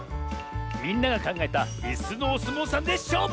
みんながかんがえたいすのおすもうさんでしょうぶ！